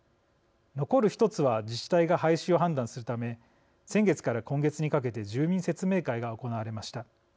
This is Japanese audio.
残る１つは自治体が廃止を判断するため先月から今月にかけて住民説明会が行われました。